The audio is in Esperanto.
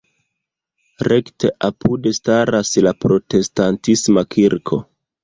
Rekte apude staras la protestantisma kirko.